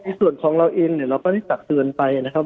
ในส่วนของเราเองเนี่ยเราก็ได้ตักเตือนไปนะครับ